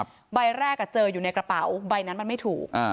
ใบแรกอ่ะเจออยู่ในกระเป๋าใบนั้นมันไม่ถูกอ่า